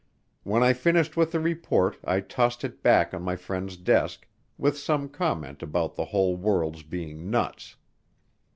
When I finished with the report I tossed it back on my friend's desk, with some comment about the whole world's being nuts.